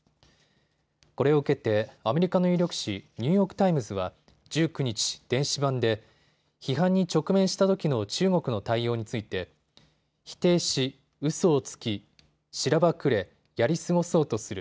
これを受けてアメリカの有力紙、ニューヨーク・タイムズは１９日、電子版で批判に直面したときの中国の対応について否定し、うそをつき、しらばくれ、やり過ごそうとする。